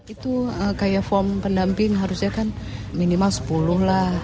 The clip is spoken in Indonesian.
itu kayak form pendamping harusnya kan minimal sepuluh lah